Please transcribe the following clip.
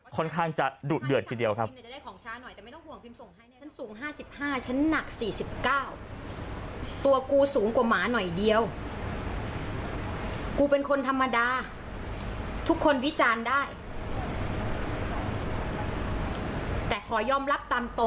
ค่อนข้างจะดุเดือดทีเดียวครับ